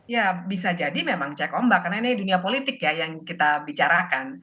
ya bisa jadi memang cek ombak karena ini dunia politik ya yang kita bicarakan